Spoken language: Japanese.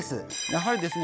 やはりですね